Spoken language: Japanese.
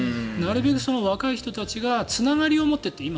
なるべく若い人たちがつながりを持ってって。